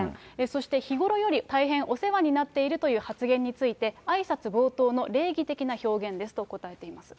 そして、日頃より大変お世話になっているという発言について、あいさつ冒頭の礼儀的な表現ですと答えています。